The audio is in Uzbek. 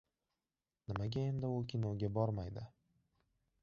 Nimaga endi u kinoga bormaydi?..